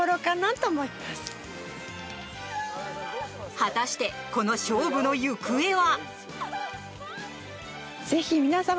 果たして、この勝負の行方は？